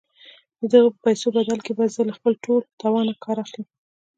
د دغو پيسو په بدل کې به زه له خپل ټول توانه کار اخلم.